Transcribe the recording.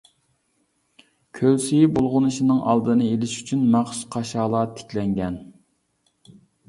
كۆل سۈيى بۇلغىنىشىنىڭ ئالدىنى ئېلىش ئۈچۈن مەخسۇس قاشالار تىكلەنگەن.